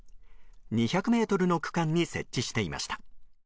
２００ｍの区間に設置していました。